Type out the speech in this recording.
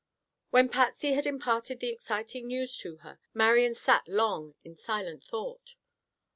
When Patsy had imparted the exciting news to her, Marian sat long in silent thought.